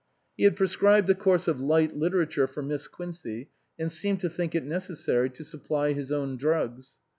He had prescribed a course of light literature for Miss Quincey and seemed to think it necessary to supply his own drugs.